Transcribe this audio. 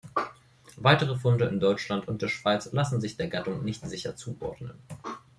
Weitere Funde in Deutschland und der Schweiz lassen sich der Gattung nicht sicher zuordnen.